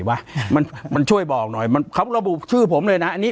ปากกับภาคภูมิ